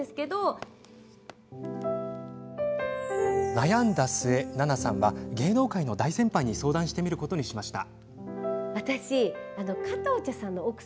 悩んだ末、奈々さんは芸能界の大先輩に相談してみることにしました。